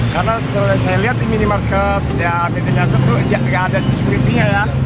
karena setelah saya lihat di minimarket dan di ternyata itu enggak ada diskriminnya ya